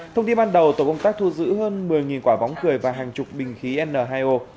thông tin ban đầu tổ công tác thu giữ hơn một mươi quả bóng cười và hàng chục bình khí n hai o